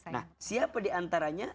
nah siapa diantaranya